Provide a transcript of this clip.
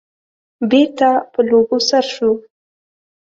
بېرته په لوبو سر شو.